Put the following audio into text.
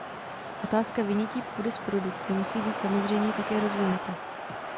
Otázka vynětí půdy z produkce musí být samozřejmě také rozvinuta.